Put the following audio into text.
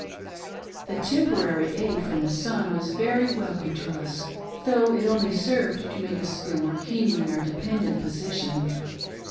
The temporary aid from Lausanne was very welcome to us, though it only served to make us feel more keenly our dependent position.